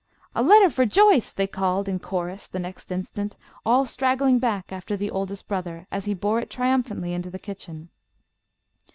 "A letter for Joyce!" they called in chorus the next instant, all straggling back after the oldest brother as he bore it triumphantly into the kitchen.